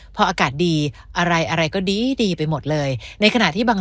พออากาศดีอะไรอะไรก็ดีดีไปหมดเลยในขณะที่บาง